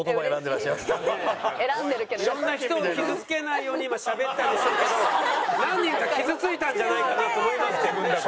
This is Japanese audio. いろんな人を傷つけないように今しゃべったんでしょうけど何人か傷ついたんじゃないかなと思いますけどね。